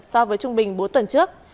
so với trung bình bốn tuần trước